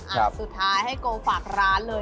สุดท้ายให้โกฝากร้านเลย